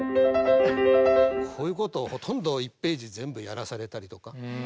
こういうことをほとんど１ページ全部やらされたりとか。